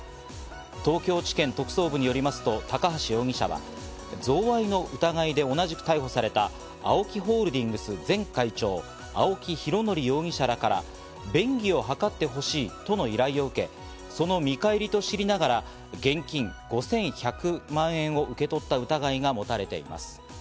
東京地検特捜部によりますと高橋容疑者は、贈賄の疑いで同じく逮捕されたＡＯＫＩホールディングス前会長・青木拡憲容疑者らから便宜を図ってほしいとの依頼を受け、その見返りと知りながら現金５１００万円を受け取った疑いが持たれています。